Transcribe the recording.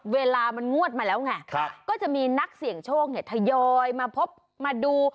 เวลามันงวดมาแล้วไงก็จะมีนักเสี่ยงโชคเนี่ยทยอยมาพบมาดู